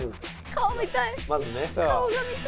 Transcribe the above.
顔見たいね。